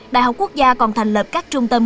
đh quốc gia còn thành lập các trung tâm